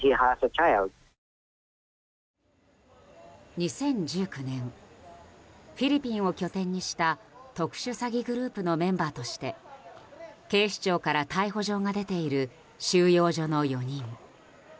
２０１９年フィリピンを拠点にした特殊詐欺グループのメンバーとして警視庁から逮捕状が出ている収容所の４人。